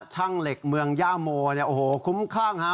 ช่างเหล็กเมืองย่าโมเนี่ยโอ้โหคุ้มคลั่งฮะ